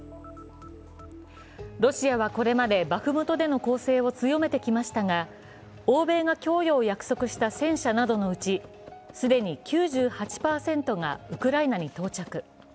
ロシアはこれまでバフムトでの攻勢を強めてきましたが、欧米が供与を約束した戦車などのうち既に９８％がウクライナに到着。